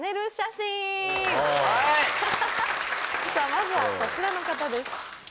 まずはこちらの方です。